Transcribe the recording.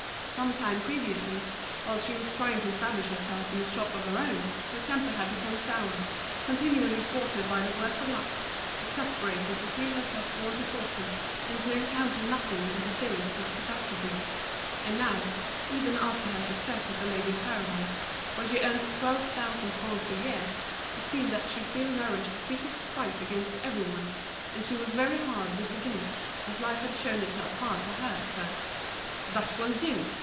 Some time previously, whilst she was trying to establish herself in a shop of her own, her temper had become sour, continually thwarted by the worst of luck, exasperated to feel herself born to fortune and to encounter nothing but a series of catastrophes; and now, even after her success at The Ladies' Paradise, where she earned twelve thousand francs a year, it seemed that she still nourished a secret spite against every one, and she was very hard with beginners, as life had shown itself hard for her at first. "That will do!"